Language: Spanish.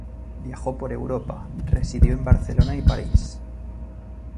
Viajó por Europa, residió en Barcelona y París.